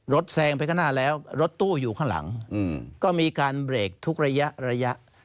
แซงไปข้างหน้าแล้วรถตู้อยู่ข้างหลังก็มีการเบรกทุกระยะระยะ